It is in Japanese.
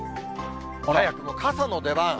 早くも傘の出番。